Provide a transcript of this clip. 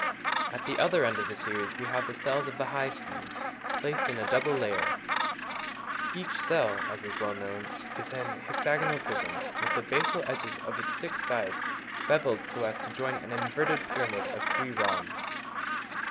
At the other end of the series we have the cells of the hive bee, placed in a double layer: each cell, as is well known, is an hexagonal prism, with the basal edges of its six sides bevelled so as to join an inverted pyramid, of three rhombs.